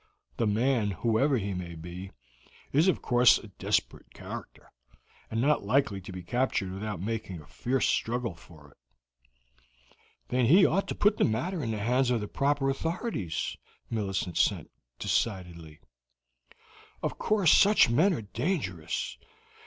The man, whoever he may be, is of course a desperate character, and not likely to be captured without making a fierce struggle for it." "Then he ought to put the matter in the hands of the proper authorities," Millicent said decidedly. "Of course such men are dangerous.